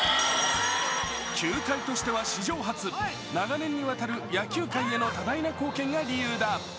球界としては初、長年にわたる多大な貢献が理由だ。